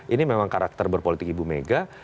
ini memang karakter berpolitik ibu mega